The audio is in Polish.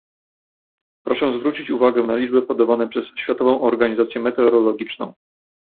Proszę zwrócić uwagę na liczby podawane przez Światową Organizację Meteorologiczną